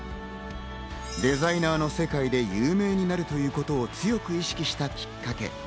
デザイナーの世界で有名になるということを強く意識したきっかけ。